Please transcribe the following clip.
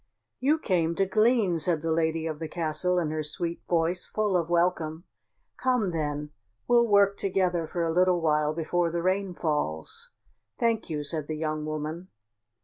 "You came to glean," said the lady of the castle in her sweet voice, full of welcome. "Come then, we'll work together for a little while before the rain falls." "Thank you," said the young woman.